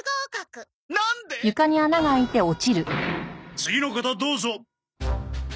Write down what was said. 次の方どうぞ。